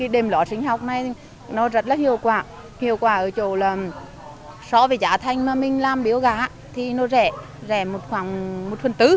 đệm lót sinh học này rất hiệu quả hiệu quả ở chỗ là so với giá thanh mà mình làm biểu gá thì nó rẻ rẻ khoảng một phần tứ